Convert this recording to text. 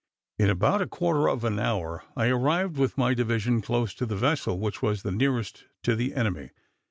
In about a quarter of an hour I arrived with my division close to the vessel which was the nearest to the enemy.